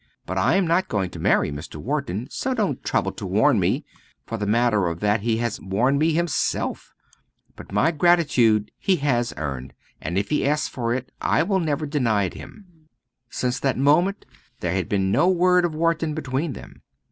but I am not going to marry Mr. Wharton, so don't trouble to warn me for the matter of that he has warned me himself: but my gratitude he has earned, and if he asks for it I will never deny it him " since that moment there had been no word of Wharton between them.